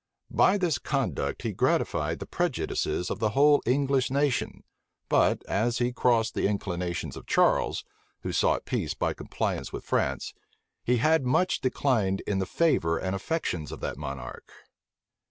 By this conduct he gratified the prejudices of the whole English nation: but, as he crossed the inclinations of Charles, who sought peace by compliance with France, he had much declined in the favor and affections of that monarch.